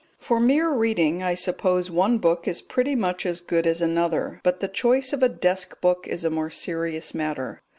For mere reading I suppose one book is pretty much as good as another; but the choice of a desk book is a more serious matter.